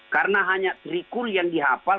karena hanya trikul yang di hafal